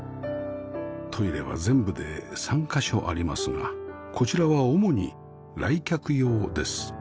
トイレは全部で３カ所ありますがこちらは主に来客用です